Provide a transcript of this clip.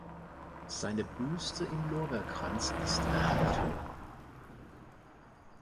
Seine Büste im Lorbeerkranz ist erhalten.